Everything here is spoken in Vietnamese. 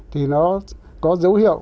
thì nó có dấu hiệu